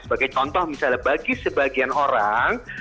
sebagai contoh misalnya bagi sebagian orang